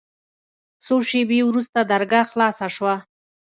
څو شېبې وروسته درګاه خلاصه سوه.